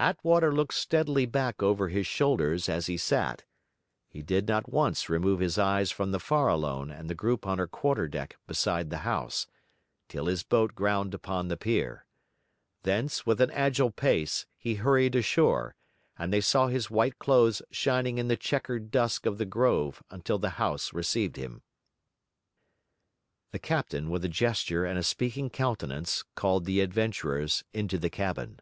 Attwater looked steadily back over his shoulders as he sat; he did not once remove his eyes from the Farallone and the group on her quarter deck beside the house, till his boat ground upon the pier. Thence, with an agile pace, he hurried ashore, and they saw his white clothes shining in the chequered dusk of the grove until the house received him. The captain, with a gesture and a speaking countenance, called the adventurers into the cabin.